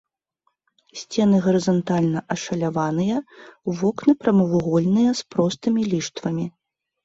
Сцены гарызантальна ашаляваныя, вокны прамавугольныя з простымі ліштвамі.